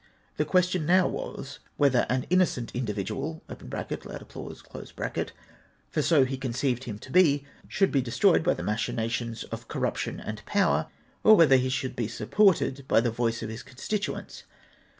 The question now was, whether an innocent in dividual (loud applause), for so he conceived him to be, should be destroyed by the machinations of corruption and power, or whether he should be supported by the voice of his constituents.